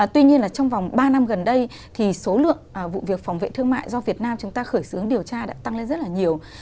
tuy nhiên là trong vòng ba năm gần đây thì số lượng vụ việc phòng vệ thương mại do việt nam chúng ta khởi xướng điều tra đã tăng lên rất là nhiều